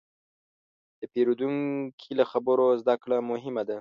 د پیرودونکي له خبرو زدهکړه مهمه ده.